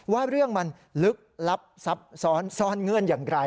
ว่าเรื่องมันลึกลับซับซ้อนซ่อนเงื่อนอย่างไร